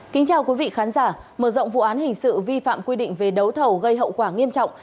kính chào quý vị khán giả mở rộng vụ án hình sự vi phạm quy định về đấu thầu gây hậu quả nghiêm trọng